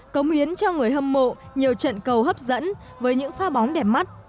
cống hiến cho người hâm mộ nhiều trận cầu hấp dẫn với những pha bóng đẹp mắt